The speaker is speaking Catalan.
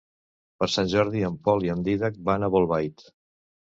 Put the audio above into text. Per Sant Jordi en Pol i en Dídac van a Bolbait.